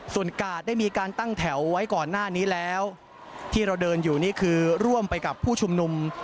ส่วนกาดได้มีการตั้งแถวไว้ก่อนหน้านี้แล้วที่เราเดินอยู่นี่คือร่วมไปกับผู้ชุมนุม